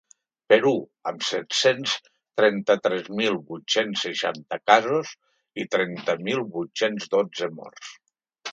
Perú, amb set-cents trenta-tres mil vuit-cents seixanta casos i trenta mil vuit-cents dotze morts.